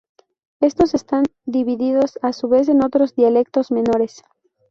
Estos están divididos a su vez en otros dialectos menores.